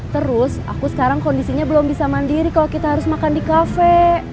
terus aku sekarang kondisinya belum bisa mandiri kalau kita harus makan di kafe